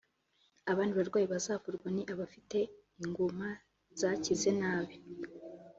Abandi barwayi bazavurwa ni abafite inguma zakize nabi